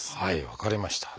分かりました。